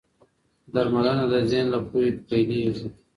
درملنه د ذهن له پوهې پيلېږي.